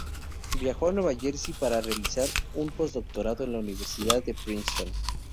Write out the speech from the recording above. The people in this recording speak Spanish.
Viajó a Nueva Jersey para realizar un posdoctorado en la Universidad de Princeton.